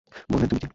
বললেন, তুমি কে?